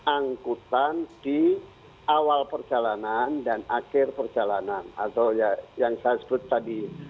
angkutan di awal perjalanan dan akhir perjalanan atau yang saya sebut tadi